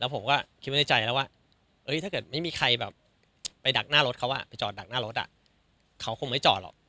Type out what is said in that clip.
ผมก็คิดไว้ในใจแล้วว่าถ้าเกิดไม่มีใครแบบไปดักหน้ารถเขาไปจอดดักหน้ารถเขาคงไม่จอดหรอก